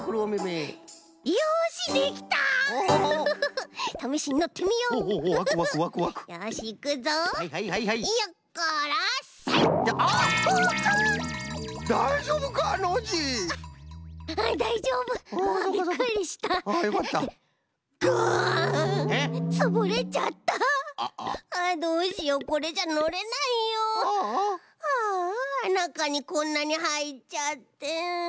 はあなかにこんなにはいっちゃってんっ？